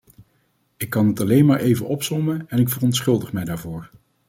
Ik kan het alleen maar even opsommen en ik verontschuldig mij daarvoor.